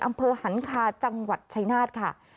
อำเภอหันคาจังหวัดชายนาฏค่ะ